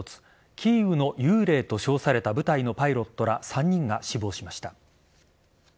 キーウの幽霊と称された部隊のパイロットら３人が死亡しました。